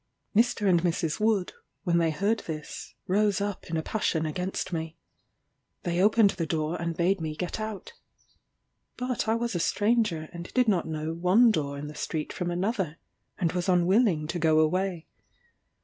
Mr. and Mrs. Wood, when they heard this, rose up in a passion against me. They opened the door and bade me get out. But I was a stranger, and did not know one door in the street from another, and was unwilling to go away.